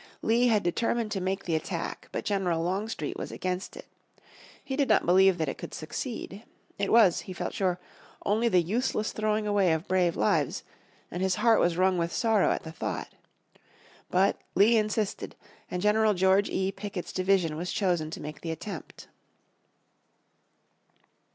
Lee had determined to make the attack, but General Longstreet was against it. He did not believe that it could succeed. It was, he felt sure, only the useless throwing away of brave lives, and his heart was wrung with sorrow at the thought. But Lee insisted, and General George E. Pickett's division was chosen to make the attempt.